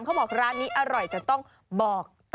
เขาบอกร้านนี้อร่อยจะต้องบอกต่อ